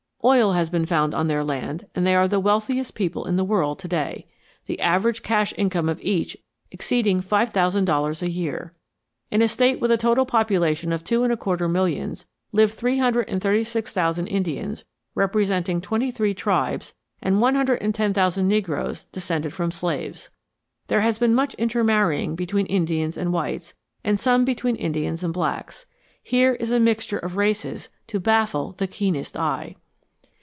Oil has been found on their land and they are the wealthiest people in the world to day, the average cash income of each exceeding five thousand dollars a year. In a state with a total population of two and a quarter millions live 336,000 Indians representing twenty three tribes and 110,000 negroes descended from slaves. There has been much intermarrying between Indians and whites, and some between Indians and blacks. Here is a mixture of races to baffle the keenest eye.